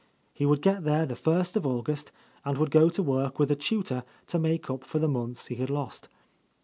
He would get there the first of August and would go to work with a tutor to make up for the months he had lost.